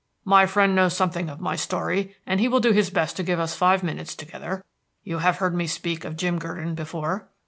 "My friend knows something of my story, and he will do his best to get us five minutes together. You have heard me speak of Jim Gurdon before."